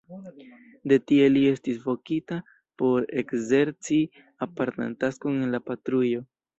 De tie li estis vokita por ekzerci apartan taskon en la patrujo.